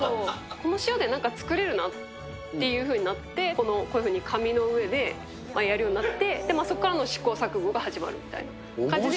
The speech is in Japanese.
この塩でなんか作れるなっていうふうになって、こういうふうに紙の上でやるようになって、そこからの試行錯誤が始まるみたいな感じで。